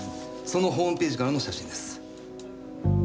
そのホームページからの写真です。